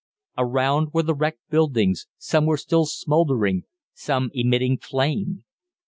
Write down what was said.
Around were the wrecked buildings, some still smouldering, some emitting flame.